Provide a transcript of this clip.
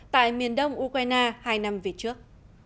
tại miền đông ukraine hai năm về trước